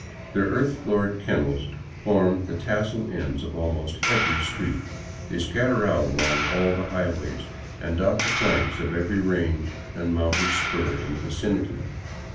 Their earth floored ken nels form the tassel ends of almost every street ; they scatter out along all the highways, and dot the flanks of every range and mountain spur in the vicinity.